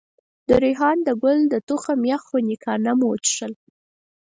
د ریحان ګل د تخم یخ خنکيانه مو وڅښل.